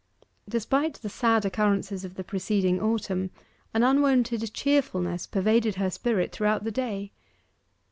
Despite the sad occurrences of the preceding autumn, an unwonted cheerfulness pervaded her spirit throughout the day.